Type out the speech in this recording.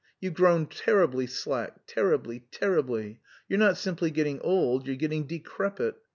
You've grown terribly slack, terribly, terribly! You're not simply getting old, you're getting decrepit....